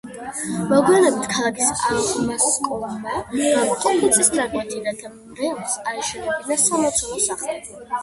მოგვიანებით ქალაქის აღმასკომმა გამოყო მიწის ნაკვეთი რათა მრევლს აეშენებინა სამლოცველო სახლი.